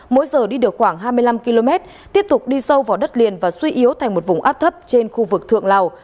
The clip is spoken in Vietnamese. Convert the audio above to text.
mỗi giờ đi được khoảng hai mươi năm km tiếp tục đi sâu vào đất liền và suy yếu thành một vùng áp thấp trên khu vực thượng lào